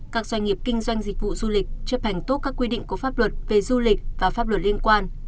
các doanh nghiệp kinh doanh dịch vụ du lịch chấp hành tốt các quy định của pháp luật về du lịch và pháp luật liên quan